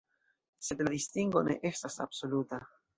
Sed la distingo ne estas absoluta.